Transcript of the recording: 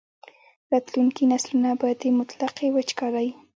راتلونکي نسلونه به د مطلقې وچکالۍ.